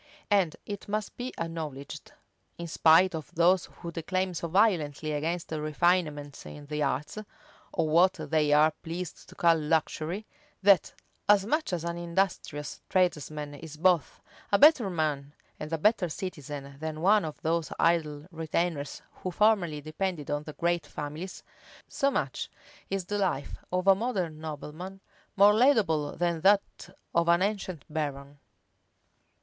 And it must be acknowledged, in spite of those who declaim so violently against refinement in the arts, or what they are pleased to call luxury, that, as much as an industrious tradesman is both a better man and a better citizen than one of those idle retainers who formerly depended on the great families, so much is the life of a modern nobleman more laudable than that of an ancient baron.